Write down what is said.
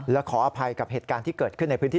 และขออภัยกับเหตุการณ์ที่เกิดขึ้นในพื้นที่